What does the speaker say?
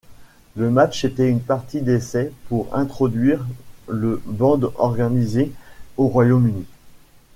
Le match était une partie d'essai pour introduire le bande organisé au Royaume-Uni.